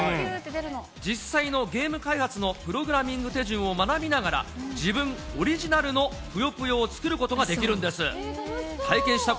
実際のゲーム開発のプログラミング手順を学びながら、自分オリジナルのぷよぷよを作ることができるんです。